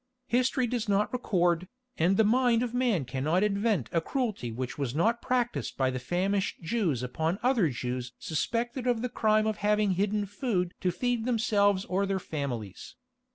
History does not record, and the mind of man cannot invent a cruelty which was not practised by the famished Jews upon other Jews suspected of the crime of having hidden food to feed themselves or their families.